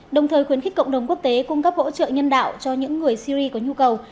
đồng thời khuyến khích cộng đồng quốc tế cung cấp hỗ trợ nhân đạo cho những người syri có nhu cầu